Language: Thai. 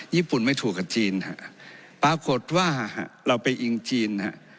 ญี่ปุ่นไม่ถูกกับจีนฮะปรากฏว่าเราไปอิงจีนฮะ